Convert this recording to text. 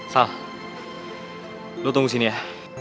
fah lu tunggu sini ya